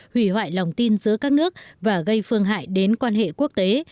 hủy hoại lòng tin giữa các nước và gây phương hại đến quan hệ quốc tế